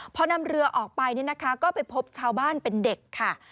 พอนำเรือออกไปก็ไปพบชาวบ้านเป็นเด็กค่ะ